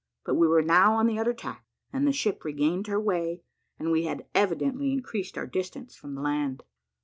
But we were now on the other tack, and the ship regained her way, and we had evidently increased our distance from the land.